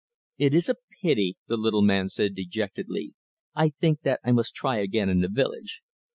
"It is a pity," the little man said dejectedly. "I think that I must try again in the village.